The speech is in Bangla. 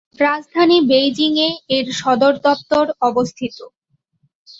রাজধানী বেইজিংয়ে এর সদর দফতর অবস্থিত।